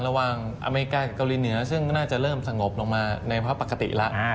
อเมริกากับเกาหลีเหนือซึ่งน่าจะเริ่มสงบลงมาในพระปกติแล้ว